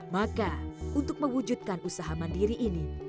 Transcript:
maka untuk mewujudkan usaha mandiri ini